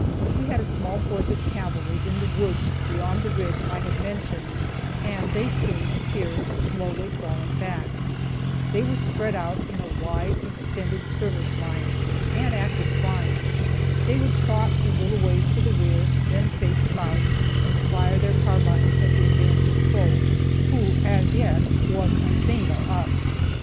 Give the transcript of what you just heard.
We had a small force of our cavalry in the woods beyond the ridge I have mentioned, and they soon appeared, slowly falling back. They were spread out in a wide, extended skirmish line, and acted fine. They would trot a little ways to the rear, then face about, and fire their carbines at the advancing foe, who, as yet, was unseen by us.